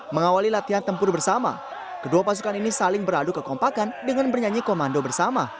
mengawali latihan tempur bersama kedua pasukan ini saling beradu kekompakan dengan bernyanyi komando bersama